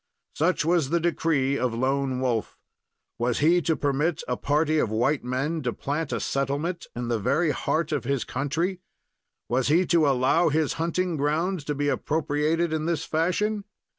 Such was the decree of Lone Wolf. Was he to permit a party of white men to plant a settlement in the very heart of his country? Was he to allow his hunting grounds to be appropriated in this fashion?